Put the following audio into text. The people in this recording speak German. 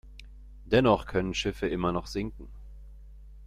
Dennoch können Schiffe immer noch sinken.